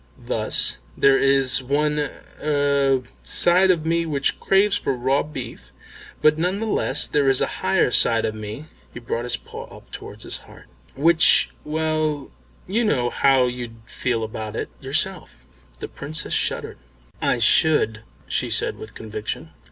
Thus there is one er side of me which craves for raw beef, but none the less there is a higher side of me" (he brought his paw up towards his heart), "which well, you know how you'd feel about it yourself." The Princess shuddered. "I should," she said, with conviction.